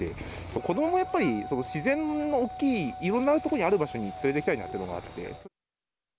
子どもがやっぱり、自然の大きい、いろんな所にある場所に連れていきたいなというのがあって。